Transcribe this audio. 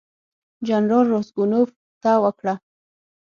جنرال راسګونوف ته وکړه.